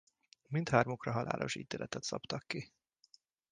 Mindhármukra halálos ítéletet szabtak ki.